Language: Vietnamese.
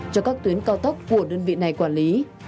cho các tuyến cao tốc của đơn vị này quản lý